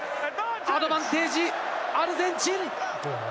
アドバンテージ、アルゼンチン。